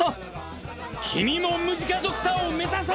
君もムジカドクターを目指そう！